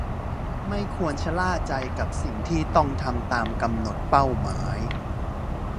ไม่ควรชะล่าใจกับสิ่งที่ต้องทำตามกำหนดเป้าหมาย